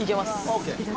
ＯＫ。